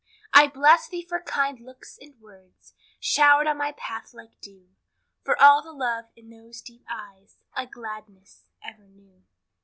"I bless thee for kind looks and words Shower'd on my path like dew, For all the love in those deep eyes, A gladness ever new."